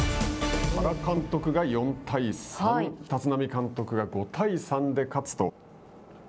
原監督が４対３、立浪監督が５対３で勝つと。